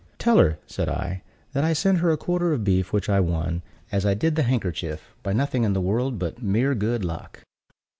"Tell her," said I, "that I send her a quarter of beef which I won, as I did the handkerchief, by nothing in the world but mere good luck."